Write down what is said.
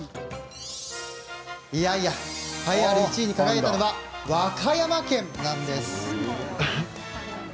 いやいや栄えある１位に輝いたのは和歌山県！